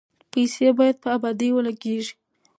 پیسې باید په ابادۍ ولګیږي.